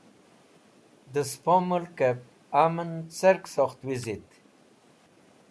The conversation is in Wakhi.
Dẽ sẽpo mulkẽb amn cersokht wizit?